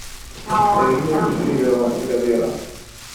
Egile hori bizirik dago, nik dakidala.